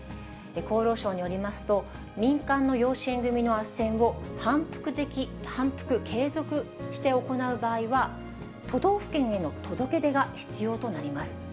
厚労省によりますと、民間の養子縁組みのあっせんを反復・継続して行う場合は、都道府県への届け出が必要となります。